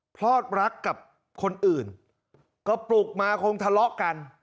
พลอดรักกับคนอื่นก็ปลุกมาคงทะเลาะกัน